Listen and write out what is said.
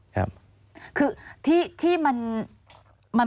คือที่มัน